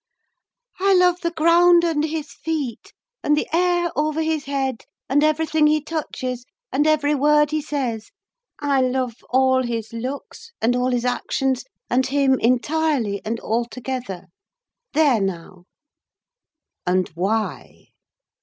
"I love the ground under his feet, and the air over his head, and everything he touches, and every word he says. I love all his looks, and all his actions, and him entirely and altogether. There now!" "And why?"